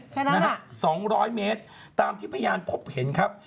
แค่นั้นนะฮะ๒๐๐เมตรตามที่พยานพบเห็นครับ